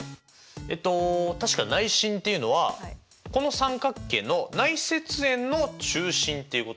えっと確か内心っていうのはこの三角形の内接円の中心っていうことですよね。